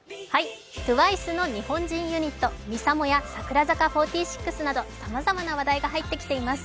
ＴＷＩＣＥの日本人ユニットＭＩＳＡＭＯや櫻坂４６などさまざまな話題が入ってきています。